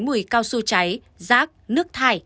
mùi cao su cháy rác nước thải